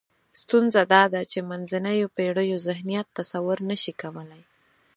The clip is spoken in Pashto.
ستونزه دا ده چې منځنیو پېړیو ذهنیت تصور نشي کولای.